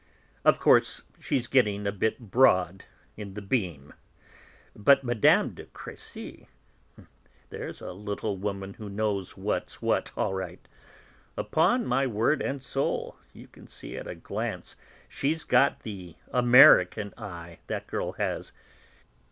Of course she's getting a bit broad in the beam. But Mme. de Crécy! There's a little woman who knows what's what, all right. Upon my word and soul, you can see at a glance she's got the American eye, that girl has.